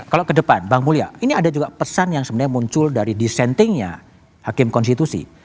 kalau ke depan bang mulya ini ada juga pesan yang sebenarnya muncul dari dissentingnya hakim konstitusi